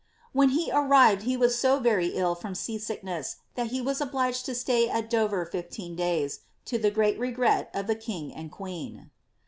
When he arrived he was so very ill froo set sickness that he was obliged to stay at Dover fifteen days, to the great regret of the king and queen.